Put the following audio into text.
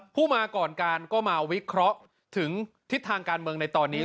ผู้มาก่อนการก็มาวิเคราะห์ถึงทิศทางการเมืองในตอนนี้